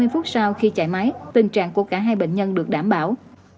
hai mươi phút sau khi chạy máy tình trạng của cả hai bệnh nhân được đảm bảo